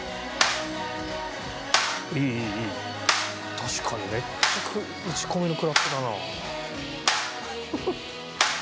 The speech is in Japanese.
確かにめっちゃ打ち込みのクラップだな。